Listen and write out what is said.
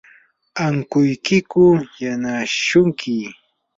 ¿ankuykiku nanaashunki?